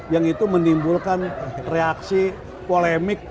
yang itu menimbulkan reaksi polemik